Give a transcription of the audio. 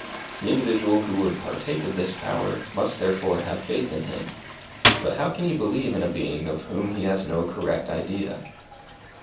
The individual who would partake of this power, must therefore have faith in Him. But how can he believe in a being of whom he has no correct idea?